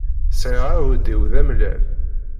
Sɛiɣ aɛudiw d amellal.